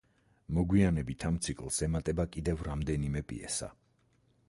მოგვიანებით ამ ციკლს ემატება კიდევ რამდენიმე პიესა.